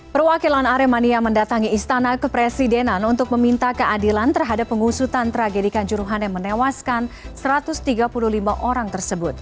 perwakilan aremania mendatangi istana kepresidenan untuk meminta keadilan terhadap pengusutan tragedikan juruhan yang menewaskan satu ratus tiga puluh lima orang tersebut